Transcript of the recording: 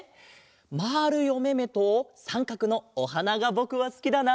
まるいおめめとさんかくのおはながぼくはすきだな。